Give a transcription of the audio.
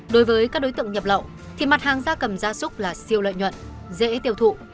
đối với các đối tượng nhập lậu thì mặt hàng gia cầm gia súc là siêu lợi nhuận dễ tiêu thụ